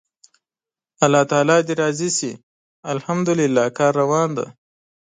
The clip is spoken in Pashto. الله تعالی دې راضي شي، الحمدلله کار روان دی.